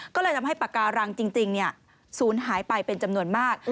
ก็เลยทำให้ปากการังจริงศูนย์หายไปเป็นจำนวนมาก